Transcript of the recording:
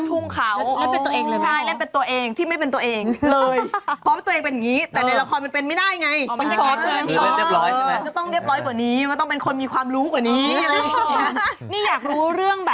สวัสดีค่ะใบตองรัสตะวันค่ะ